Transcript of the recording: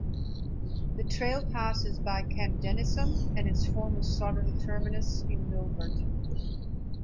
The trail passes by Camp Dennison and its former southern terminus in Milford.